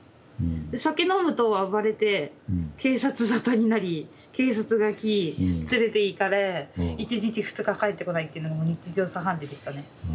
で酒飲むと暴れて警察沙汰になり警察が来連れていかれ１日２日帰ってこないっていうのがもう日常茶飯事でしたね。